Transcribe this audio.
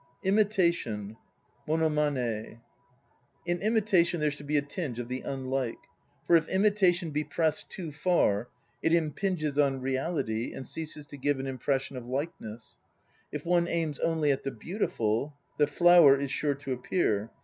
IMITATION (Monomane). In imitation there should be a tinge of the "unlike." For if imita tion be pressed too far it impinges on reality and ceases to give an impression of likeness. If one aims only at the beautiful, the "flower" is sure to appear.